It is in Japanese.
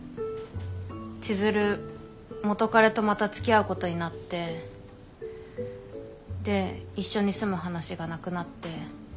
千鶴元彼とまたつきあうことになってで一緒に住む話がなくなって。